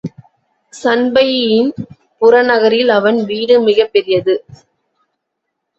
சண்பையின் புறநகரில் அவன் வீடு மிகப்பெரியது.